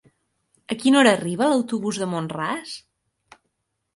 A quina hora arriba l'autobús de Mont-ras?